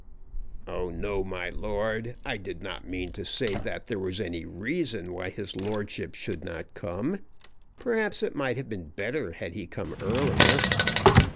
"Oh, no, my lord. I did not mean to say that there was any reason why his lordship should not come. Perhaps it might have been better had he come earlier."